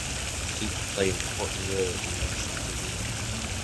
Soups play an important role in the Russian cuisine.